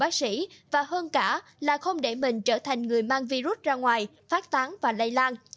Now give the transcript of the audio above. bác sĩ và hơn cả là không để mình trở thành người mang virus ra ngoài phát tán và lây lan